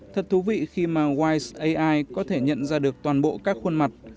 thật thú vị khi mà wise ai có thể nhận ra được toàn bộ các khuôn mặt